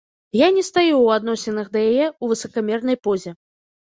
Я не стаю ў адносінах да яе ў высакамернай позе.